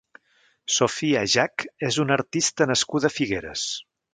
Sofia Jack és una artista nascuda a Figueres.